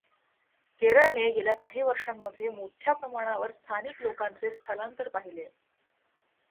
केरळने गेल्या काही वर्षांमध्ये मोठ्या प्रमाणावर स्थानिक लोकांचे स्थलांतर पाहिले आहे.